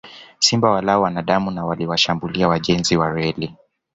Simba walao wanadamu na waliwashambulia wajenzi wa reli